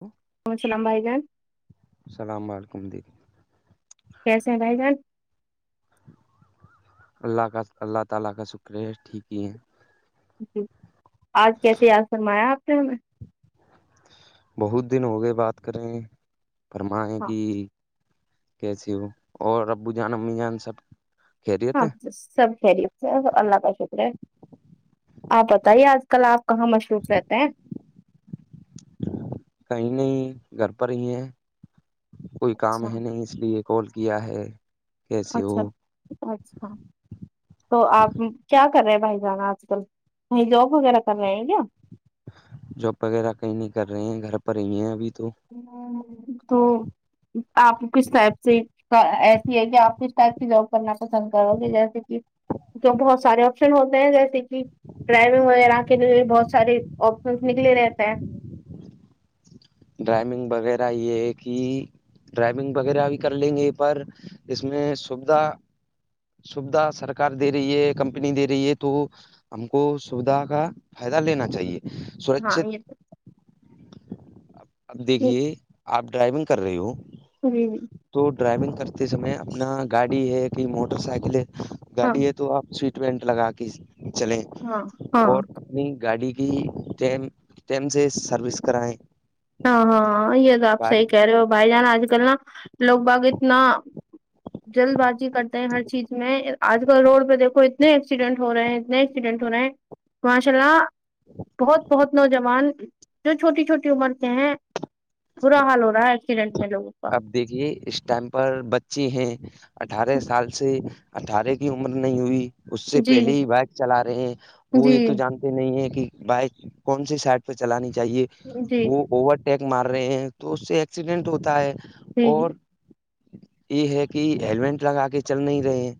ہ کون سلام بھائی جان السلام علیکم دیک کیسے ہیں بھائی جان اللہ کا اللہ تعالی کا شکر ہے ٹھیک ہی ہے جی آج کیسے یاد فرمایا آپ نے ہمیں بہت دن ہو گئے بات کریں فرمائے ہاں کہ کیسی ہو اور ابو جان امی جان سب خیریت ہاں ہے سب شریف سے اللہ کا شکر ہے آپ بتائیے آج کل آپ کہاں مصروف رہتے ہیں کہیں نہیں گھر پر ہی ہے کوئی کام اچھا ہے نہیں اس لیے کال کیا ہے کیسے ہو اچھاھ اچ ہ تو آپ کیا کر رہے ہیں بھائی جانا آج کل وہیں جاب وغیرہ کر رہے ہیں کیا جاب وغیرہ کہیں نہیں کر رہے ہیں گھر پر ہی ہیں ابھی تو تو آپ کس ائب سے ایسی ہے کہ آپ کس ٹائپ کی جاب کرنا پسند کرو گے جیسے کہ جو بہت سارے آپشن ہوتے ہیں جیسے کہ ڈرائیونگ وغیرہ کے لیے بھی بہت سارے آپشنس نکلے رہتے ہیں ڈرائیونگ وغیرہ یہ ہے کہ ڈرائیونگ وغیرہ بھی کر لیں گے پر اس میں سویدھا سویدھا سرکار دے رہی ہے کمپنی دے رہی ہے تو ہم کو سویدھا کا فائدہ لینا چاہیے ہاں سرکچت یہ اب دیکھیے آپ ڈرائیونگ کر رہے ہو جی تو ڈرائیونگ کرتے سمئےے اپنا گاڑی ہے کہ موٹر سائیکل ہے ہاں گاڑی ہے تو آپ سیٹ بینٹ لگا کے چلیں ہاں ہاں اور اپنی گاڑی کی ٹیم ٹم سے سروس کرایں ہاں ہاں یہ تو آپ صحیح کہہ رہے ہو بھائی جان آج کل نا لوگ باگ اتنا جلد بازی کرتے ہیں ہر چیز میں آج کل روڈ پہ دیکھو اتنے ایکسیڈینٹ ہو رہے ہیں اتنے ایکسیڈنٹ ہو رہا ہے ماشاء اللہ بہت بہت نوجوان جو چھوٹی چھوٹی عمر کیا ہیں برا حال ہو رہا ہے ایکسیڈنٹ میں لوگوں کا اب دیکھیے اس ٹائم پر بچے ہیں اٹھارہ سال سے اٹھارہ کی عمر نہیں ہوئی اس سے جی پہلے ہی بائک چلا رہے ہیں وہ جی یہ تو جان نہیں ہے کہ بائک کون سی سائڈ پہ چلانی چاہیے جی وہ اوور ٹیک مار رہے ہیں تو اس سے ایکسیڈینٹ ہوتا ہے جی اور یہ ہے کہ ہیللمٹ لگا کے چل نہیں رہے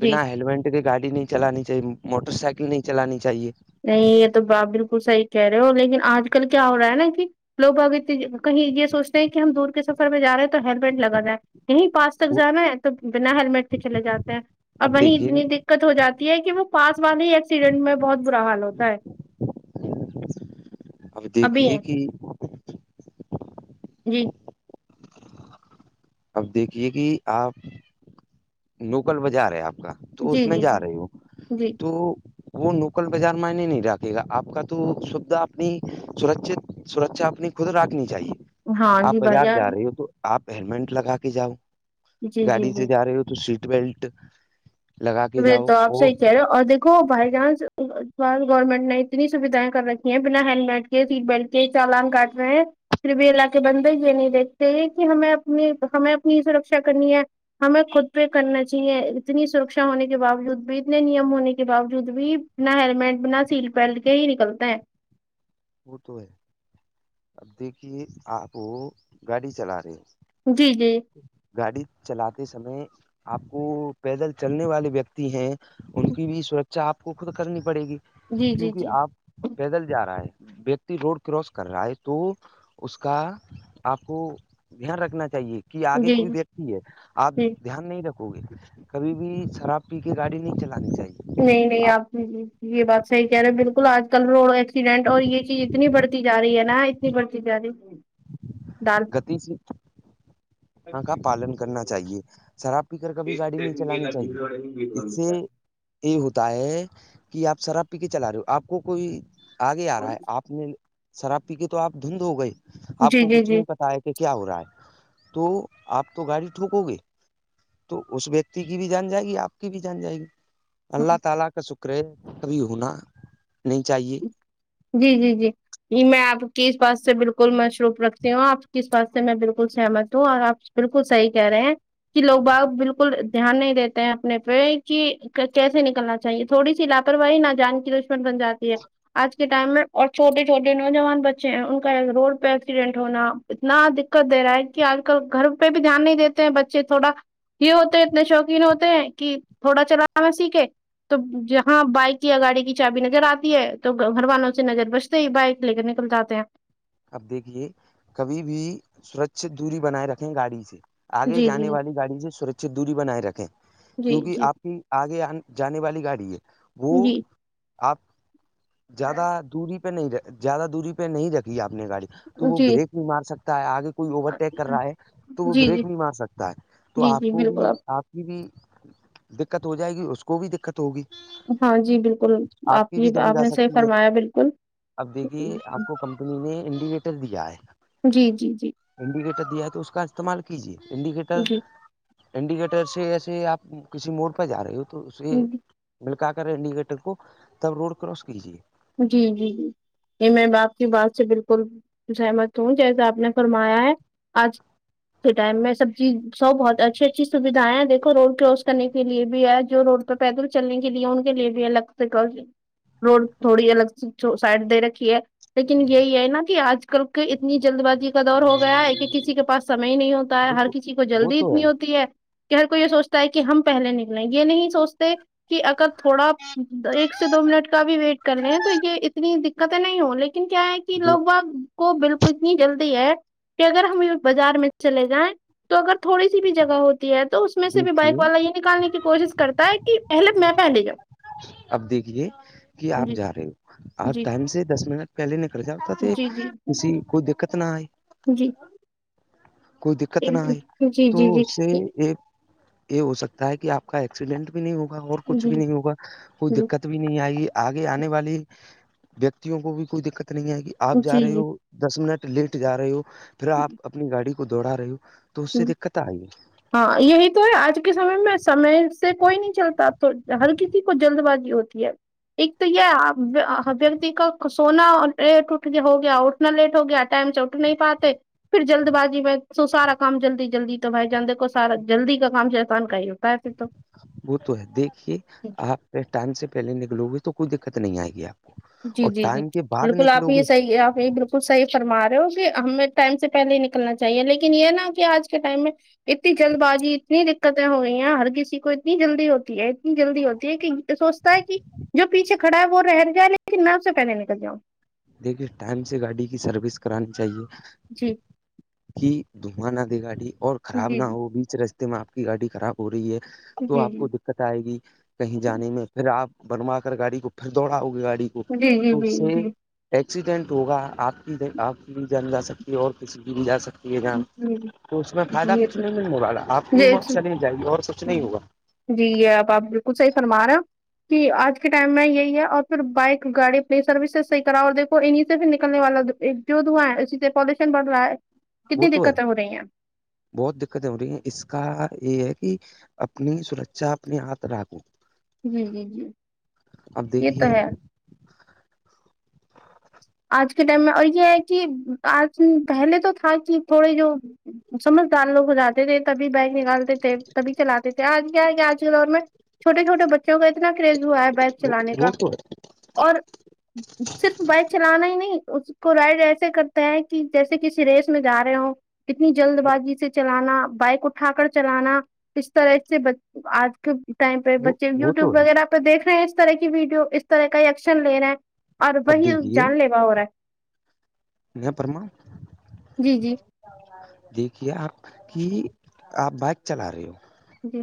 جی بنا ہیلمٹ کہ گاڑی نہیں چلانی چاہیے موٹر سائیکل نہیں چلانی چاہیے نہیں یہ تو باپ بالکل صحیح کہہ رہے ہو لیکن آج کل کیا ہو رہا ہے نا کہ لوگ اگے کہیں یہ سوچتے ہیں کہ ہم دور کے سفر میں جا رہے ہیں تو ہیللمٹ لگا جائے یہیں پاس تک وہ جانا ہے تو بنا ہیلمٹ بھی چلے جاتے ہیں اور اب وہیں دیکھیے اتنی د دقت ہو جاتی ہے کہ وہ پاس والے ہی ایکسیڈنٹ میں بہت برا حال ہوتا ہے ابھی دیکھ یہ کہ جی اب دیکھیے کہ آپ لوکل بازار ہے آپ کا تو اس جی میں جی جی جا رہی ہوں جی تو وہ نوکل بازار معنے نہیں راکے گا آپ کا تو سبدا اپنی سر سرا اپنی خود رکھنی چاہیے ہاں آپ جی بھائی بازار جا جان رہے ہو تو آپ ہیللمٹ لگا کے جاؤ جی جی گاڑی جی سے جا رہے ہو تو سیٹ بیلٹ لگا کے وہ جاؤ تو آ اور صحیح کہہ رہے اور دیک بائی چانس گورنمنٹ نے اتنی سویدھائیں کر رکھی ہیں بنا ہیللمٹ بنا سیٹ بیلٹ کے چالان کاٹ رہے ہیں پھر بھی اللہ کے بندر یہ نہیں دیکھتے یہ کہ ہمیں اپنی ہمیں اپنی سرکشا کرنی ہے ہمیں خود پہ کرنا چاہیے اتنی سرکا ا ہونے کے باوجود بھی اتنے نیم ہونے کے باوجود بھی نہ ہیللمٹ نہ سیل پیٹ کے ہی نکلتے ہیں وہ تو ہے اب دیکھیے آپ وہ گاڑی چلا رہے ہو جی جی گاڑی چلاتے سمے آپ کو پیدل چلنے والے ویکتی ہیں ان کی بھی سرچا آپ کو خود کرنی پڑے گی جی جی کیونکہ جی آپ پیدل جا رہا ہے ویکتی روڈ کراس کر رہا ہے تو اس کا آپ کو دھیان رکھنا چاہیے کہ آگے جی کوئی دیکھ آپ جی دھیان نہیں رکھو گے کبھی بھی شراب پی کے گاڑی نہیں چلانی چاہیے نہیں نہیں آپ یہ بات صحیح کہہ رہے ہیں بالکل آج کل روڈ ایکسیڈنٹ اور یہ چیز اتنی بڑھتی جا رہی ہے نا اتنی بڑھتی جا رہی دال گتی سے [inaudible] کا پالن کرنا چاہیے شراب پی کر کبھی گاڑی نہیں چلانی چاہیے اس سے یہ ہوتا ہے کہ آپ شراب پی کے چلا رہے ہو آپ کو کوئی آگے آ رہا ہے آپ نے شراب پی کے تو آپ دھند ہو گئے آپ جی کو کچھ جی نہیں جی پتا ہے کہ کیا ہو رہا ہے تو آپ تو گاڑی ٹھوکو گے تو اس ویکتی کی بھی جان جائے گی آپ کی بھی جان جائے گی اللہ تعالی کا شکر کبھی ہونا نہیں چاہیے جی جی جی ج میں آپ کی اس بات سے بالکل مصروف رکھتی ہوں آپ کی اس بات سے میں بالکل سہمت ہوں اور آپ بالکل صحی کہہ رہے ہیں کہ لوگ باگ بالکل دھیان نہیں دیتے ہیں اپنے پہ کہ کیسے نکلنا چاہیے تھوڑی سی لاپرواہی نہا جان کی دشمن بن جاتی ہے آج کے ٹائم میں اور چھٹے چھوٹے نوجوان بچے ہیں ان کا روڈ پہ ایکسیڈنٹ ہونا اتنا دقت دے رہا ہے کہ آج کل گھر پہ بھی دھیان نہیں دیتے ہیں بچے تھوڑا یہ ہوتے ہیں اتنے شوقین ہوتے ہیں کہ تھوڑا چلاا میں سیکھے تو جہاں بائک یا گاڑی کی چابی نظر آتی ہے تو گھروانوں سے نظر بچتے ہی بائک لے کے نکل جاتے ہیں اب دیکھیے کبھی بھی سورچھ دوری بنائے رکھے گاڑی سے آگے جی جی جانے والی گاڑی سے سرچت دوری بنائے رکھے جی کیوںکہ جی آپ کی آگے جانے والی گاڑی ہے وہ جی آپ زیادہ دوری پہ نہیں زیادہ دوری پہ نہیں رکھی آپ نے گاڑی تو وہ جی بریک بھی مار سکتا ہے آگے کوئی اوورٹیک کر رہا ہے تو وہ جی بریک جی نہیں مار سکتا ہے تو جی آپ جی کو بالکل بھی آپ بھی دقت ہو جائے گی اس کو بھی دقت ہوگی آپ ہاں جی بالکل آپ کی بھی یہ جان آپ جا نے صحیح سکتی ہے فرمایا بالکل اب دیکھیے آپ کو کمپنی نے انڈیکیٹر دیا ہے جی جی جی انڈیکیٹر دیا ہے تو اس کا استعمال کیجے انڈیکیٹر جی انڈیکیٹر سے ایسے آپ کسی موڑ پہ جا رہے ہو تو اس کے جی ملکا کر انڈیگیٹر کو تب روڈ کراس کیجے جی جی جی یہ میں باپ کی بات سے بالکل سہمت ہوں جیسے آپ نے فرمایا ہے آج اس ٹائم میں سب چیز سب بہت اچھی اچھی سھ جائ ہیں دیکھو روڈ کراس کرنے کے لیے بھی ہے جو روڈ پہ پیدل چلنے کے لیے ان کے لیے بھی ہے الگ سے کرس روڈ تھوڑی الگ سائڈ دے رکھی ہے لیکن یہی ہے نا کہ آج کل کے اتنی جلد بازی کا دور ہو گیا ہے ایک ایک کسی کے پس سمئے ہی نہیں ہوتا ہے وہ ہر تو کسی کو وہ جلدی تو اتنی ہوتی ہے کہ ہر کو یہ سوچتا ہے کہ ہم پہلے نکلیں یہ نہیں سوچتے کہ اگر تھوڑا ایک سے دو منٹ کا بھی ویٹ کر لیں ہیں تو یہ اتنی دقتیں نہیں ہو لیکن کیا ہے کہ لوگ بگ کو بالکل اتنی جلدی ہے کہ اگر ہم بازار میں چلے جائیں تو اگر تھوڑی سی بھی جگہ ہوتی ہے تو اس میں سے بھی بائک دیکھیے والا یہ نکالنے کی کوشش کرتا ہے کہ پہلے میں پہلے جا اب دیکھیے کہ آپ جی جا رہے ہو آپ جی ٹائم سے دس منٹ پہلے نکر جتا تھ جی جی کسی کوئی دقت نہ آئے جی کوئی دقت نہ جی آئی جی تو جی اس سے جی ایک یہ ہو سکتا ہے کہ آپ کا ایکسیڈینٹ بھی نہیں ہوگا اور کچھ بھی نہیں ہوگا کوئی دقت بھی نہیں آئے گی آگے آنے والی ویکتیوں کو بھی کوئی دقت نہیں آئے گی آپ جی جا رہے جی ہو دس منٹ لیٹ جا رہے ہو پھر آپ اپنی گاڑی کو دوڑا رہے ہو تو اس جی سے دقت آئے گ ہاں یہی تو ہے آج کے سمے میں سمے سے کوئی نہیں چلتا تو ہلکی کو جلد بازی ہوتی ہے ایک تو یہ ویکتی کا سونا ٹوٹ گیا ہو گیا اور اتنا لیٹ ہو گیا ٹائم سے اٹھ نہیں پاتے پھر جلد بازی میں سسا رکھ کام جلدی جلدی تو بھائی جان دیکو سارا جلدی کام جیسان کا ہی ہوتا ہے پھر تو وہ تو ہے دیکھیے آپ ٹائم سے پہلے نکلو گئےے تو کوئی دقت نہیں آئے گی آپ جی اور جی جی ٹائم کے بعد بالکل آپ نکلو یہ گے صحی آپ یہ بک صحی فرما رہے ہو کہ ہمیں ٹائم سے پہلے ہی نکلنا چاہیے لیکن یہ نا کہ آج کے ٹائم میں اتنی جلد بازی اتنی دقتیں ہو رہئی ہیں ہر کسی کو اتنی جلدی ہوتی ہے اتنی جلدی ہوتی ہے کہ سو تا کہ جو پیچے کھڑا ہے وہ رہ جائے لیکن نہ اس سے پہلے نکل جاؤں دیکھیے ٹائم سے گاڑی کی سروس کرانی چاہیے جی کہ دھواں نہ دے گاڑی اور خراب جی نہ جی ہو بیچ رستے میں آپ کی گاڑی خراب ہو رہی ہے تو جی آپ کو د دقت آئے گی کہیں جانے میں پھر آپ بنوا کر گاڑی کو پھر دوڑاؤ گے گاڑی جی جی جی تو اس سے جی ایکسیڈنٹ ہوگا آپ کی آپ کی بھی جان جا سکتی ہے اور کسی کی بھی جا سکتی یہ جان تو اس میں فائدہ جی کچھ نہیں ملنے والا آپ کی جی مت جی چلی جائے گی اور سب جی یہ آپ آپ بالکل صحی فرمار رہ ہیں کہ آج کے ٹائم میں یہی ہے اور پھر بائک گاڑی پلی سروس سے صحیح کراؤ اور دیکو انہیں سے پھر نکلنے والا ایک جو دھواں ہے اسی سے پالوشن بڑ رہا ہے وہ کتنی تو ہے دقتیں ہو رہی ہیں بہت دقتیں ہو رہی ہیں اس کا یہ ہے کہ اپنی سرکچا اپنے ہاتھ رکھو جی جی جی اب یہ تو دیکھیے ہے آج کے ٹائم میں اور یہ ہے کہ آج پہلے تو تھا کہ تھوڑے جو سمجھدار لوگ ہو جاتے تھے تبھی بائک نکالتے تھے تبھی چلاتے تھے آج کیا ہے کیا آج کے دور میں چوٹ چوٹ بچ بچوں کا اتنا کریز ہوا ہے بائک وہ چلانے کا وہ تو ہے اور صرف بائک چلانا ہی نہیں اس کو رائڈ ایسے کرتے ہیں کہ جیسے کسی ریس میں جا رہے ہو کتنی جلد بازی سے چلانا بائک اٹھا کر چلانا اس طرح سے ب آج کے ٹائم پہ وہ بچے وہ یوٹیوب ہے وغیرہ تو دیکھ رہے ہیں اس طرح کی ویڈیو اس طرح کا ایکشن لے رہے ہیں اور اب وہی دیکھیے جان لیوا ہو رہا ہے ن پررم ہے جی جی دیکھیے آپ کی آپ بائک چلا رہے ہو جی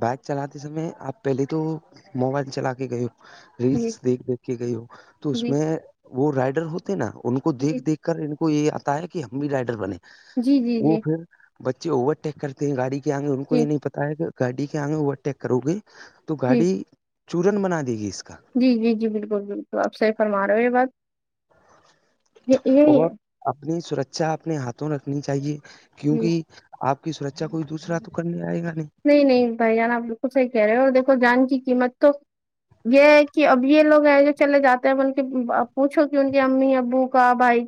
بائک چلتے سمے آپ پہلی تو موبائل چلا کے گی جی ریلس دیکھ دیکھ کے گئی ہو تو اس جی میں وہ رائڈر ہوتے نا ان کو جی دیکھ دیکھ کر ان کو یہ آتا ہے کہ ہم بھی رائڈر بنے جی جی جی وہ پھر بچے اوورٹیک کرتے گاڑی کے آگے ان کو یہ جی نہیں پتا ہے کہ گاڑی کے آگے وہ اٹیک کرو گے تو گاڑی چورن بنا دے گی اس کا جی جی جی بالکل بالکل آپ صح فرما رہے ہو یہ بات یہ یہ ہی ہے اور اپنی سرکچا اپنے ہاتھوں رکھنی چاہیے کیونک جی آپ کی سرکھا کوئی دوسرا تو کرنے آئے گا نہیں نہیں نہیں بھائی جان آ بالکل صحیح کہہ رہے ہو اور دیکھو جان کی قیمت تو یہ ہے کہ اب یہ لوگ ہیں جو چلے جاتے ہیں ا ان کے پوچھو کہ ان کے امی ابو کا بھائی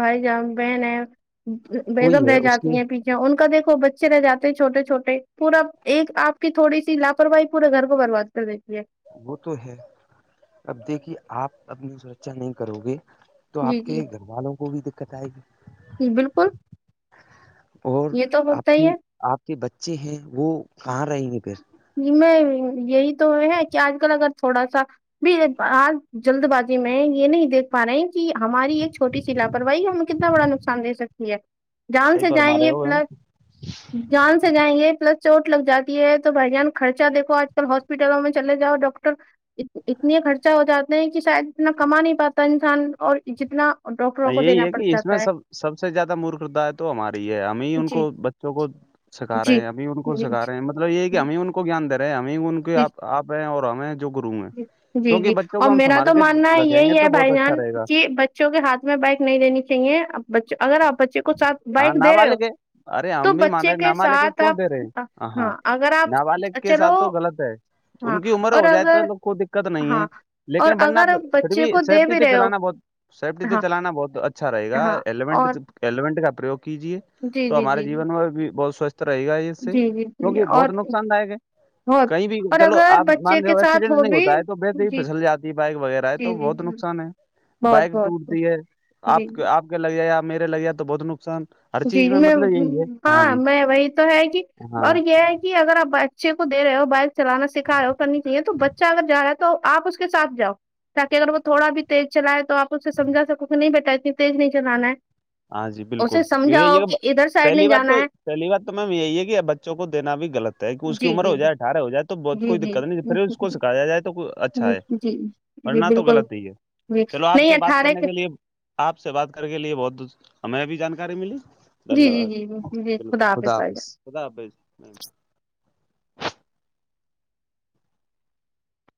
بھائی ج بہن ہے کوئی بیگم ہے رہ اس کے جاتی ہیں پیچھے ان کا دیکھو بچے رہ جاتے ہیں چھوٹے چھوٹے پورا ایک آپ کی تھوڑی سی لاپرواہی پورے گھر کو برباد کر دیتی ہے وہ تو ہے اب دیکھیے آپ اپنی سرچا نہیں کرو گے تو آپ جی کے جی گھر والوں کو بھی دقت آئے گی جی بالکل اور یہ تو آپ ہوتا ہی کی ہے آپ کے بچے ہیں وہ کہاں رہیں گے پھر ج میں یہی تو ہے کہ آج کل اگر تھوڑا سا ب آج جلد بازی میں یہ نہیں دیکھ پا رہے کہ ہماری ایک چھوٹی سی لاپرواہی ہمیں کتنا بڑا نقصان دے سکتی ہے جان سے جائیں گے پلس جان سے جائیں گے پلس چوٹ لگ جاتی ہے تو بھ جان خرچہ دیکھو آج کل ہاسپٹلوں میں چے جاؤ ڈاکٹر اتنے خرچہ ہو جاتے ہیں کہ شاید اتنا کما نہیں پاتا انسان اور جتنا ڈاکٹروں کو یہی دینا ہے پڑ کہ اس میں جاتا ہے سب سب سے زیادہ مورختاائ تو ہماری ہے ہمیں ان جی کو بچوں کو سکھاے جی ہیں ابھی کو جی سکھا رہے ہیں مطلب یہ ہے کہ ہمیں جی ان کو جیان د رہے ہیں ہمیں ان کے آپ ہیں اور ہمیں جو گرو ہیں ج جی کیونکہ جی بچوں اور کو ہم میرا سنبھال تو کے ماننا رکھیں یہی گے ہے تو بہت بھائی اچھا جان رہے گا کہ ب بچوں کے ہاتھ میں بائک نہیں لینی چاہیے بچوں اگر آ بچے کو ساتھ ہاں بائک دے ناب رہے ہو لے کے ارے تو امی مان بچے رہے نب لے کے ساتھ کیوں دے رہے ہیں آپ ہ ہاں اگر نابالغ آپ کے چلو ساتھ تو غلط ہے ہاں ان کی عمر اور ہو جائے تو اگر نا لگ کو نہیں ہے ہاں اور لیکن بڑنا اگر آپ پھر بھی بچے کو دے سیفٹی بھی سے رہے ہو چلانا بہت سیفٹی سے ہاں چلانا بہت اچھا رہے گا ہاں اور ایلیینٹ ایلیمونٹ کا پرریوگ کیجیے جی تو جی ہمارے جی جیون میں بھی بہت سوستھ رہے گا اس سے جی جی جی جی کیونکہ اور بہت نقصان داک ہے بہت کہیں بھی اور چلو اگر آپ بچے مان کے جو ساتھ ایکسیڈنٹ ہو نہیں بھی ہوتا ہے تو ویسے ہی جی پسل جاتی ہے بائک وغیرہ ہے جی تو جی بہت جی نقصان ان ہے بہت بائک بہت ٹوٹتی جی آپ جی آپ کے لگےیا میرے لگےیا تو بہت نقصان ہر جی چیز میں مطلب یہی ہے ہاں جی میں وہی تو ہے کہ ہاں اور یہ ہے کہ اگر آپ بچے کو دے رہے ہو بائک چلانا سکھا رہ ہو کرنی چاہیے تو بچہ اگر جا رہا ہے تو آپ اس کے سھ جاؤ تاکہ اگر وہ تھوڑا بھی تیز چلائے توپ اسے سمجھا سکو کہ نہیں بیٹا اتنی تیز نہیں چلانا ہے ہاں جی بالکل یہ سجھاؤ یہ کہ ب- اد پہلی بات تو پہلی بات تو میم یہی ہے کہب بچوں کو دینا بھی غلط ہے کہ اس کی جی جی عمر ہو جی جائے ارا ہو جائے تو بہت جی کوئی جی دقت نہیں پھر اس کو جی سکھایا جائے تو اچھا ہے جی جی اورورن تو بالکل غلط ہی ہے جی چلو آپ نہیں سے بات اٹھارہ کرنے کے لیے آپ سے بات کر کے لیے بہت ہمیں ابھی جانکاری ملی جی دھنیہ جی واد جی جی بالکل خدا بھائی حافظ خدا حافظ